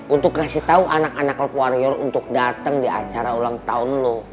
untuk ngasih tau anak anak klub warrior untuk dateng di acara ulang tahun lo